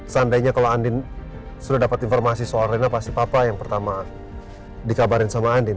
seandainya kalau andin sudah dapat informasi soal rina pasti papa yang pertama dikabarin sama andin